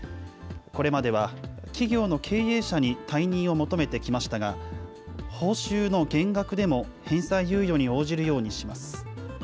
これまでは企業の経営者に退任を求めてきましたが、報酬の減額でも返済猶予に応じるようにします。